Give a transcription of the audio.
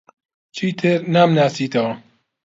چیتر نامناسیتەوە؟